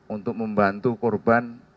untuk membantu korban